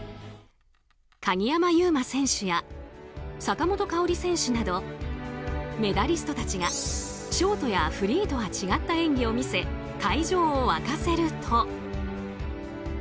鍵山優真選手や坂本花織選手などメダリストたちがショートやフリーとは違った演技を見せ、会場を沸かせると。